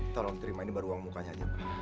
tolong terima ini baru uang mukanya aja pak